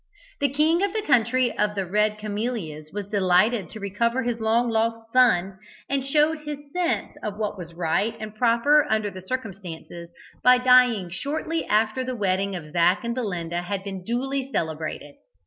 The king of the country of the Red Camellias was delighted to recover his long lost son, and showed his sense of what was right and proper under the circumstances by dying shortly after the wedding of Zac and Belinda had been duly celebrated.